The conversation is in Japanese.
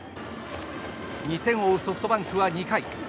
２点を追うソフトバンクは２回。